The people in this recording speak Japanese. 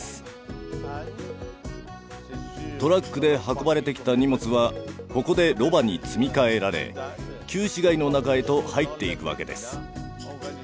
トラックで運ばれてきた荷物はここでロバに積み替えられ旧市街の中へと入っていくわけです。